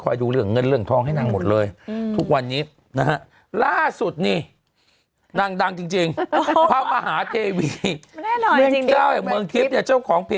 คุณแม่ใจเย็นคุณแม่ไม่ต้องท้อง